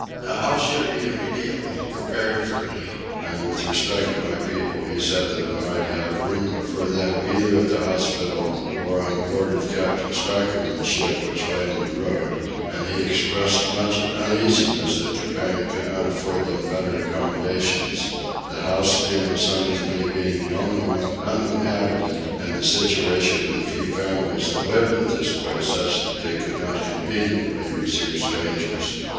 A house should be immediately prepared for me, and with respect to my people he said that I might have room for them either at the hospital or on board of captain Spikerman's ship which lay in the road; and he expressed much uneasiness that Coupang could not afford them better accommodations, the house assigned to me being the only one uninhabited and the situation of the few families that lived at this place such that they could not conveniently receive strangers.